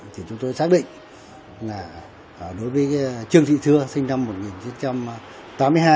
thì chúng tôi xác định là đối với trương thị thưa sinh năm một nghìn chín trăm tám mươi hai